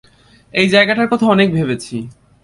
এই জায়গাটার কথা অনেক ভেবেছি।